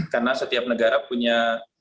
karena setiap negara punya